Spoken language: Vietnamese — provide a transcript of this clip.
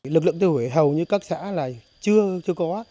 lực lượng tiêu hủy hầu như các xã là chưa có